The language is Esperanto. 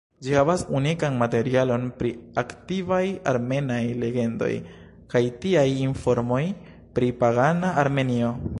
Ĝi havas unikan materialon pri antikvaj armenaj legendoj, kaj tiaj informoj pri pagana Armenio.